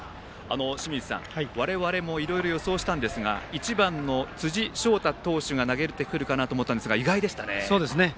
清水さん、我々もいろいろ予想したんですが１番の辻晶太投手が投げると思いましたが意外でしたね。